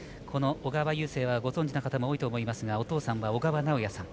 小川雄勢はご存じの方も多いと思いますがお父さんは小川直也さん。